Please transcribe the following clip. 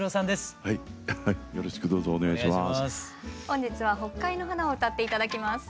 本日は「北海の花」を歌って頂きます。